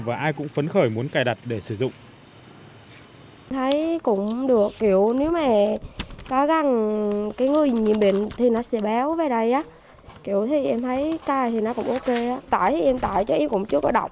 và ai cũng phấn khởi muốn cài đặt để sử dụng